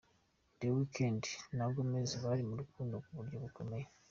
The Weekend na Gomez bari mu rukundo ku buryo bukomeye.